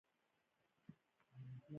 زه پوهېږم !